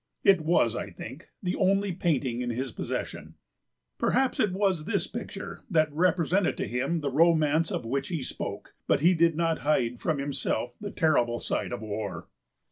It was, I think, the only painting in his possession. Perhaps it was this picture that represented to him the romance of which he spoke; but he did not hide from himself the terrible side of war.